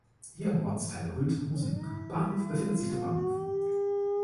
Hier, im Ortsteil Holthusen Bahnhof, befindet sich der Bahnhof.